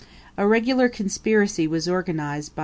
A regular conspiracy was organized by M.